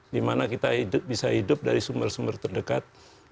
dimana kita bisa hidup dari sumber sumber terdekat